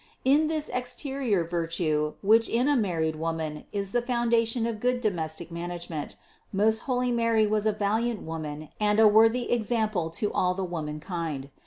In this exterior virtue, which in a married woman is the foundation of good domestic management, most holy Mary was a valiant woman and a worthy example to all the womankind.